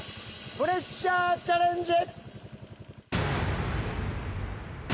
プレッシャーチャレンジ！